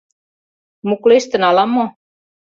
— Муклештын ала-мо...